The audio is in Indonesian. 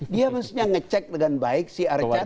dia mestinya mengecek dengan baik si archandra